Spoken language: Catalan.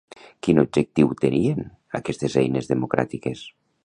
Quin objectiu tenien aquestes eines democràtiques?